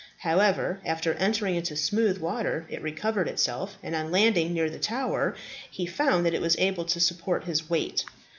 However, after entering into smooth water it recovered itself, and on landing near the Tower he found that it was able to support his weight.